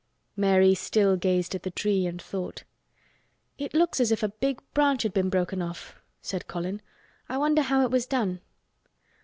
Mary still gazed at the tree and thought. "It looks as if a big branch had been broken off," said Colin. "I wonder how it was done."